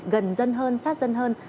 gần dân hơn sát dân hơn